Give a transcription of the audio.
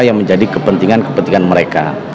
yang menjadi kepentingan kepentingan mereka